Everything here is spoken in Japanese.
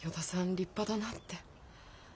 立派だなって。